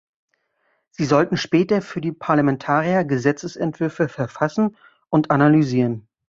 Sie sollten später für die Parlamentarier Gesetzesentwürfe verfassen und analysieren.